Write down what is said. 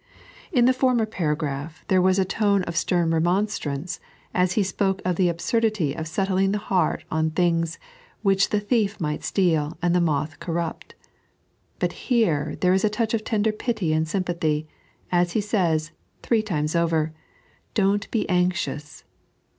In the former paragraph there was a 3.n.iized by Google FOBESIOHT AND FOBEBODING. 155 tone of Btem remoofitrance as He spoke of the abBordity of setting the heart on things which the thief might steal and the moth corrupt ; but here there is a touch of tender pity and sympathy, as He says, three times over :" Don't be anxious."